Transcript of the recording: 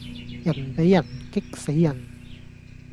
人比人激死人